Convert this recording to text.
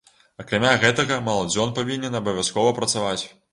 Акрамя гэтага, маладзён павінен абавязкова працаваць.